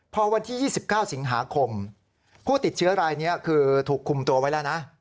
พอวันที่๒๙สิงหาคมผู้ติดเชื้อรายนี้คือถูกคุมตัวไว้แล้วนะ